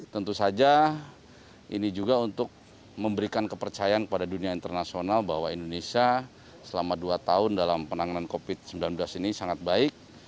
tentu saja ini juga untuk memberikan kepercayaan kepada dunia internasional bahwa indonesia selama dua tahun dalam penanganan covid sembilan belas ini sangat baik